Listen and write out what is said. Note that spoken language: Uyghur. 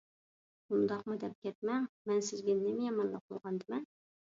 ئۇنداقمۇ دەپ كەتمەڭ. مەن سىزگە نېمە يامانلىق قىلغاندىمەن؟